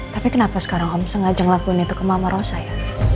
tapi kenapa sekarang om sengaja ngelakuin itu ke mama rosa ya